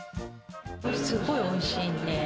すごいおいしいんで。